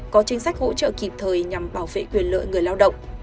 có chính sách hỗ trợ kịp thời nhằm bảo vệ quyền lợi người lao động